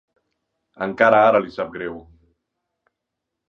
Encara ara li sap greu!